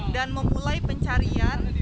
dan memulai pencarian